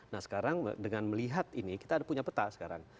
nah sekarang dengan melihat ini kita punya peta sekarang